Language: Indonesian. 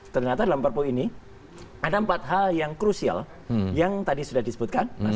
ternyata dalam perpu ini ada empat hal yang krusial yang tadi sudah disebutkan